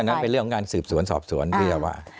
อันนั้นเป็นเรื่องของงานสืบสวนสอบสวนพิธีฐาวะ